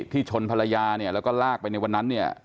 ชนภรรยาเนี่ยแล้วก็ลากไปในวันนั้นเนี่ย